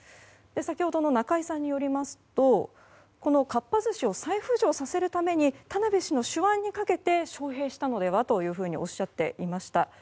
先ほどの中井さんによりますとかっぱ寿司を再浮上させるために田邊氏の手腕にかけて招聘したのではとおっしゃっていました。